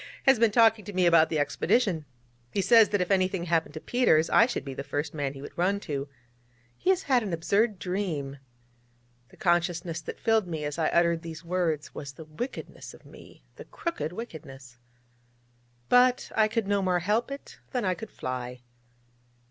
ha! has been talking to me about the Expedition. He says that if anything happened to Peters, I should be the first man he would run to. He has had an absurd dream...' The consciousness that filled me as I uttered these words was the wickedness of me the crooked wickedness. But I could no more help it than I could fly.